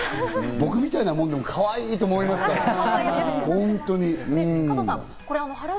僕みたいなもんでも、かわいいと思いますから。